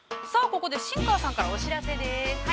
◆ここで、新川さんからお知らせです。